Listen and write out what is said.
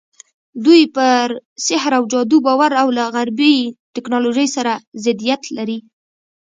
دوی پر سحر او جادو باور او له غربي ټکنالوژۍ سره ضدیت لري.